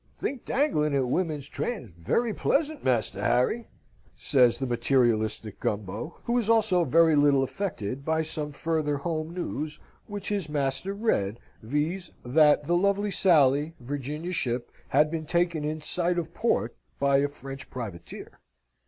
"Think dangling at women's trains very pleasant, Master Harry!" says the materialistic Gumbo, who was also very little affected by some further home news which his master read, viz., that The Lovely Sally, Virginia ship, had been taken in sight of port by a French privateer.